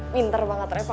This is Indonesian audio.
pinter banget repa